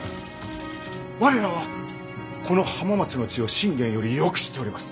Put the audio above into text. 我らはこの浜松の地を信玄よりよく知っております。